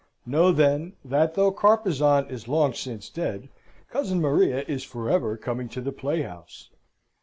Know, then, that though Carpezan is long since dead, cousin Maria is for ever coming to the playhouse.